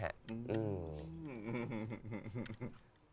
หืม